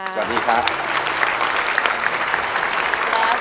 สวัสดีครับ